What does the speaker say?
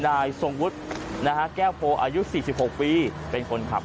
นายทรงวุฒินะฮะแก้วโพอายุ๔๖ปีเป็นคนขับ